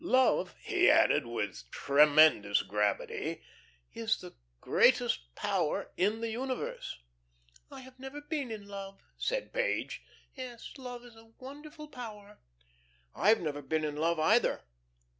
Love," he added, with tremendous gravity, "is the greatest power in the universe." "I have never been in love," said Page. "Yes, love is a wonderful power." "I've never been in love, either."